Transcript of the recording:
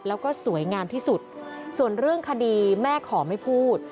แล้วก็สวยงามที่สุดส่วนเรื่องคดีแม่ขอไม่พูด